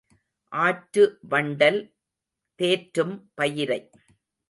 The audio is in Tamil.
ஆற்று வண்டல் தேற்றும் பயிரை.